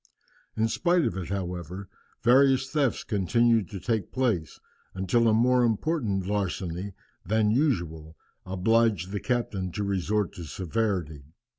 In spite of it, however, various thefts continued to take place, until a more important larceny than usual obliged the captain to resort to severity.